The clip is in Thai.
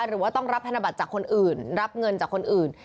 หรือว่าต้องรับธนบัตรจากคนอื่นรับเงินจากคนอื่น